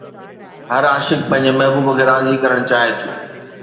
هر عاشق پنهنجي محبوب کي راضي ڪرڻ چاهي ٿو.